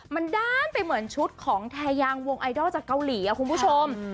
มันด้านไปเหมือนชุดของแทยางวงไอดอลจากเกาหลีคุณผู้ชม